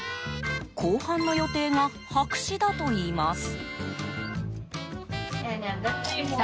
後半の予定が白紙だといいます。